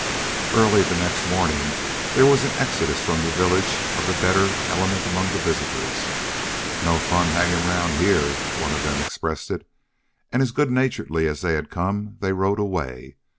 Early next morning there was an exodus from the village of the better element among the visitors. "No fun hangin' round hyar," one of them expressed it, and as good naturedly as they had come they rode away.